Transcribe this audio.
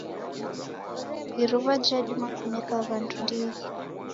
Iruwa jadima kuneka wandu ndighi